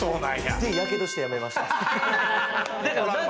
やけどしてやめました。